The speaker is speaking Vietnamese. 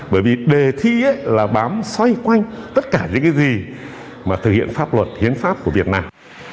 bởi vì đề thi là bám xoay quanh tất cả những cái gì mà thực hiện pháp luật hiến pháp của việt nam